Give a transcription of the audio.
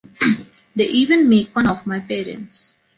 They even make fun of my parents.